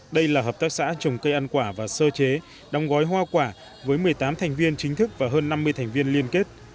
đây là hợp tác xã trồng cây ăn quả và sơ chế đóng gói hoa quả với một mươi tám thành viên chính thức và hơn năm mươi thành viên liên kết